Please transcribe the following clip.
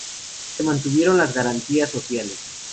Se mantuvieron las garantías sociales.